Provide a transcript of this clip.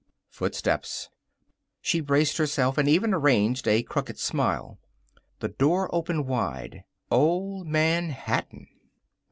Footsteps. She braced herself and even arranged a crooked smile. The door opened wide. Old Man Hatton!